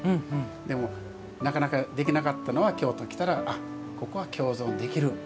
でも、なかなかできなかったのは京都に来たらあっ、ここは共存できる。